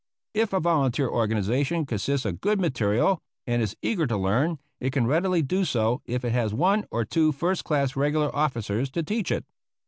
If a volunteer organization consists of good material, and is eager to learn, it can readily do so if it has one or two first class regular officers to teach it.